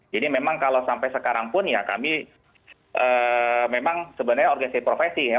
jadi memang kalau sampai sekarang pun ya kami memang sebenarnya organisasi profesi ya